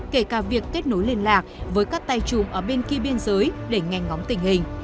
cả ba đều kết nối liên lạc với các tay chùm ở bên kia biên giới để ngành ngóng tình hình